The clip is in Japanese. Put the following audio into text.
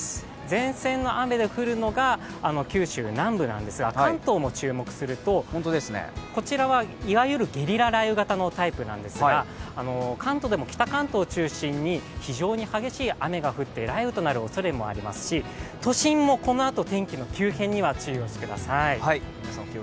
前線の雨で降るのが九州南部なんですが関東も注目すると、こちらはいわゆるゲリラ雷雨型のタイプなんですが関東でも北関東を中心に非常に激しい雨が降って、雷雨となるおそれもありますし、都心もこのあと天気の急変には注意してください。